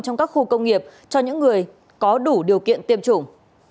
trong các khu công nghiệp cho những người có đủ điều kiện tiêm chủng